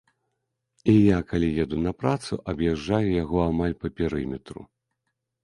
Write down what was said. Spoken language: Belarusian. І я, калі еду на працу, аб'язджаю яго амаль па перыметры.